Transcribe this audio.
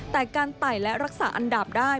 แต่การไต่และรักษาอันดับได้